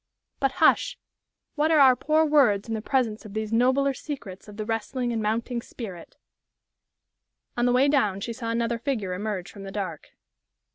But hush! What are our poor words in the presence of these nobler secrets of the wrestling and mounting spirit! On the way down she saw another figure emerge from the dark.